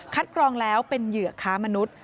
กรองแล้วเป็นเหยื่อค้ามนุษย์